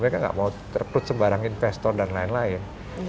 mereka nggak mau terputus sebarang investor dan lain lain